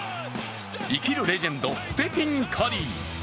生きるレジェンド、ステフィン・カリー。